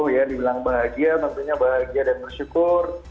ya dibilang bahagia tentunya bahagia dan bersyukur